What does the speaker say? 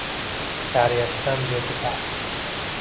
Shariatdan berdi dars.